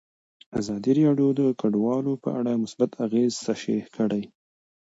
ازادي راډیو د کډوال په اړه مثبت اغېزې تشریح کړي.